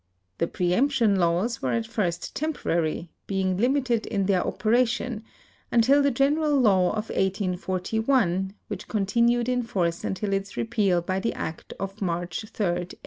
The preemption laws were at first temporary, being limited in their operation, until the general law of 1841, which continued in force until its repeal by the act of March 3, 1891.